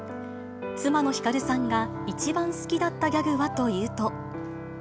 妻の光さんが一番好きだったギャグはというと。